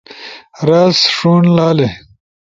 رس، ݜُون -لالے